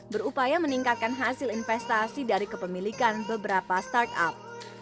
berupaya meningkatkan hasil investasi dari kepemilikan beberapa startup